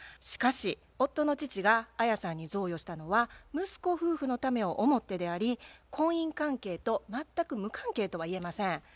しかし夫の父がアヤさんに贈与したのは息子夫婦のためを思ってであり婚姻関係と全く無関係とはいえません。